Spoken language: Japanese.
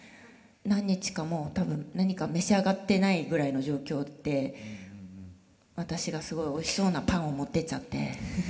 何日かもう多分何か召し上がってないぐらいの状況で私がすごいおいしそうなパンを持ってっちゃって。